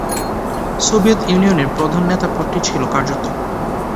Soviet ইউনিয়নের প্রধান নেতা পদটি ছিল কার্যত।